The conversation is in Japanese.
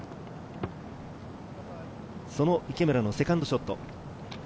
その池村のセカンドショット。